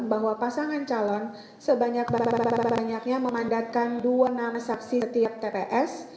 bahwa pasangan calon sebanyak banyaknya memandatkan dua nama saksi setiap tps